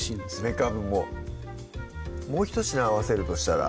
めかぶももうひと品合わせるとしたら？